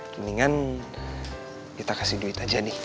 mendingan kita kasih duit aja nih